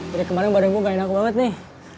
dari kemarin badan gue gak enak banget nih